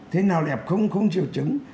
thế nào là f không chịu chứng